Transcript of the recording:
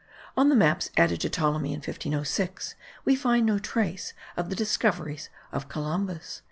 On the maps added to Ptolemy in 1506 we find no trace of the discoveries of Columbus.)